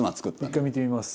一回見てみます。